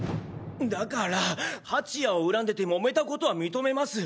だから蜂谷を恨んでて揉めたことは認めます。